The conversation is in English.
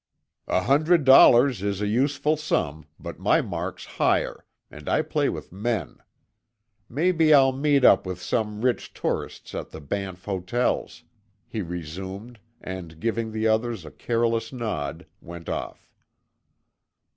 "A hundred dollars is a useful sum, but my mark's higher, and I play with men. Maybe I'll meet up with some rich tourists at the Banff hotels," he resumed, and giving the others a careless nod, went off.